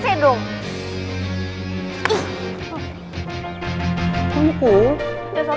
jadi seharusnya lo nyikatin gue ya sedong